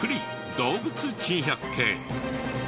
動物珍百景。